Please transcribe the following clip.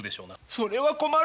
それは困る！